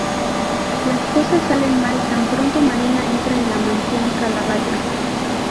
Las cosas salen mal tan pronto Marina entra en la mansión Calatrava.